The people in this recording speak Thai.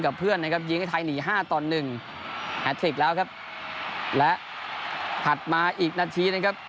เพื่อนนะครับยิงให้ไทยหนีห้าต่อหนึ่งแฮทริกแล้วครับและถัดมาอีกนาทีนะครับ